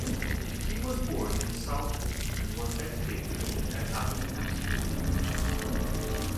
He was born in Southport, and was educated at Uppingham School.